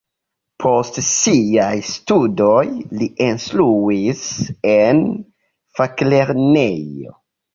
Post siaj studoj li instruis en faklernejo.